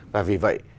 và vì vậy